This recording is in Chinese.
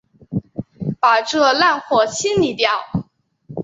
把这烂货清理掉！